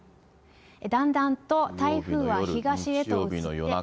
だんだんと台風は東へと移って。